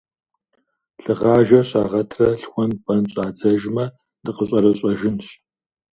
Лъыгъажэр щагъэтрэ лъхуэн-пӀэн щӀадзэжмэ, дыкъэщӀэрэщӀэжынщ.